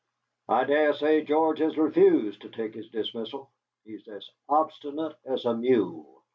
"I dare say George has refused to take his dismissal. He's as obstinate as a mule."